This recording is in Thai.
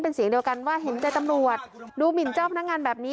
เป็นเสียงเดียวกันว่าเห็นใจตำรวจดูหมินเจ้าพนักงานแบบนี้